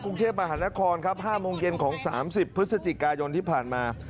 กรุงเทพมหานครครับ๕โมงเย็นของ๓๐พฤศจิกายนที่ผ่านมา